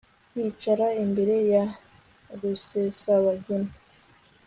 yicara imbere ya rusesabagina